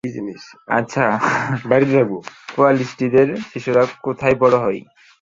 আচ্ছা, কোয়ালিস্টদের শিশুরা কোথায় বড় হয়?